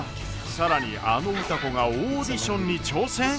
更にあの歌子がオーディションに挑戦！？